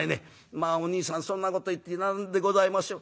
『まあおにいさんそんなこと言って何でございましょう。